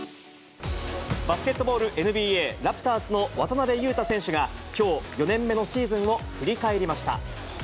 バスケットボールＮＢＡ・ラプターズの渡邊雄太選手がきょう、４年目のシーズンを振り返りました。